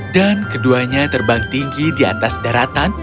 dan keduanya terbang tinggi di atas daratan